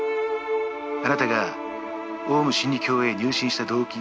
あなたがオウム真理教へ入信した動機。